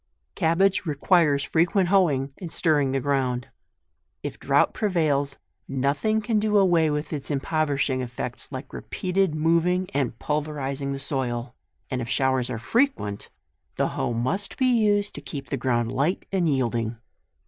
CABBAGE requires frequent hoeing and stirring the ground. If drought prevails, nothing can do away its impoverishing effects like repeated moving and pulverizing the soil, and if show ers are frequent, the hoe must be used to keep the ground light and yielding.